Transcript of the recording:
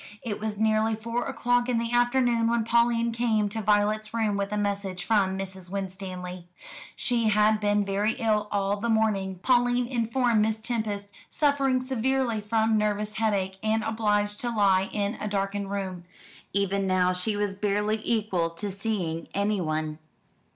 It was nearly four o'clock in the afternoon when Pauline came to Violet's room with a message from Mrs. Winstanley. She had been very ill all the morning, Pauline informed Miss Tempest, suffering severely from nervous headache, and obliged to lie in a darkened room. Even now she was barely equal to seeing anyone.